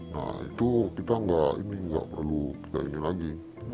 nah itu kita nggak perlu kita ini lagi